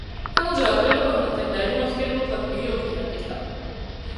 彼女は十六の夏に誰にも告げることなくニューヨークにやって来た